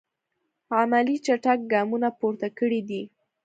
عملي چټک ګامونه پورته کړی دي.